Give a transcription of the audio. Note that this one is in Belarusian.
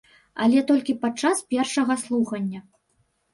Але толькі падчас першага слухання.